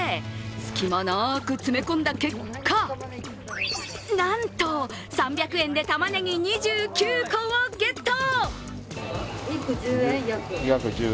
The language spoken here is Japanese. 隙間なく詰め込んだ結果、なんと３００円でたまねぎ２９個をゲット。